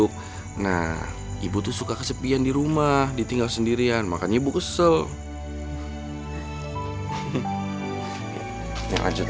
kamu tuh udah diperbudak sama anak itu